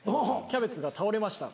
キャベツが倒れました。